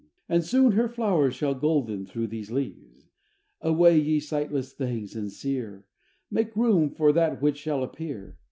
And soon her flowers shall golden through these leaves! Away, ye sightless things and sere! Make room for that which shall appear!